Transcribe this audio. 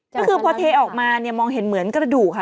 ก็คือพอเทออกมาเนี่ยมองเห็นเหมือนกระดูกค่ะ